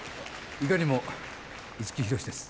いかにも五木ひろしです。